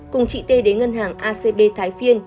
cùng chị t đến ngân hàng acb thái phiên